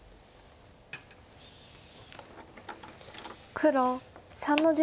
黒３の十八。